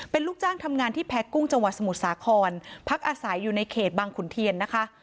เป็นลูกจ้างทำงานที่แพ้กุ้งจังหวัดสมุทรสาครพักอาศัยอยู่ในเขตบางขุนเทียนนะคะ